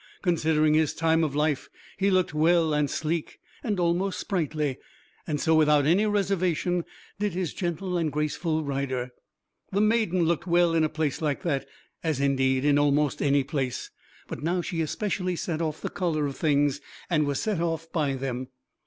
Considering his time of life, he looked well and sleek, and almost sprightly; and so, without any reservation, did his gentle and graceful rider. The maiden looked well in a place like that, as indeed in almost any place; but now she especially set off the color of things, and was set off by them.